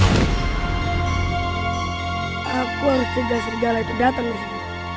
aku harus cegah sergala itu datang rizky